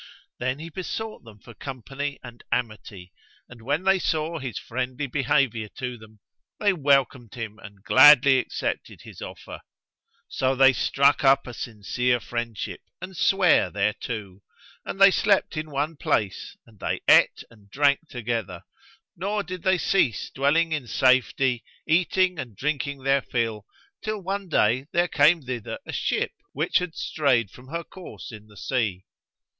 Then he besought them for company and amity and, when they saw his friendly behaviour to them, they welcomed him and gladly accepted his offer. So they struck up a sincere friendship and sware thereto; and they slept in one place and they ate and drank together; nor did they cease dwelling in safety, eating and drinking their fill, till one day there came thither a ship which had strayed from her course in the sea.